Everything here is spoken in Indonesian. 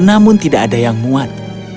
namun tidak ada yang muat